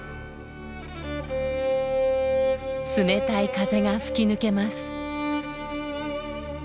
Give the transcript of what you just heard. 冷たい風が吹き抜けます。